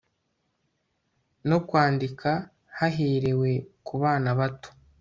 no kwandika haherewe ku bana bato